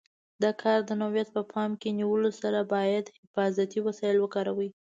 د کار د نوعیت په پام کې نیولو سره باید حفاظتي وسایل وکاروي.